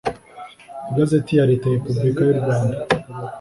igazeti ya leta ya repuburika y u rwanda